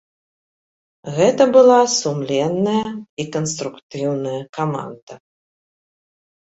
Гэта была сумленная і канструктыўная каманда.